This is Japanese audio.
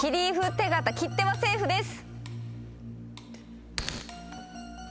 手形切手はセーフです。